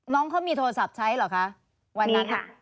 น้องเขามีโทรศัพท์ใช้หรือคะ